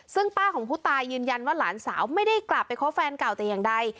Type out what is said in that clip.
ซึ่งป้าของผู้ตายยืนยันว่าหลานสาวไม่ได้กลับไปคบแฟนเก่าแต่อย่างใด